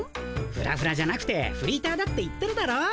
ふらふらじゃなくてフリーターだって言ってるだろ。